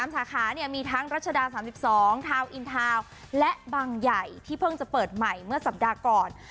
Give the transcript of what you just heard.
สาขามีทั้งรัชดา๓๒ทาวน์อินทาวน์และบางใหญ่ที่เพิ่งจะเปิดใหม่เมื่อสัปดาห์ก่อน